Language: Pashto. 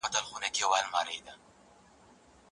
په تشو میټینګونو کي له ملت سره جفا وسوه.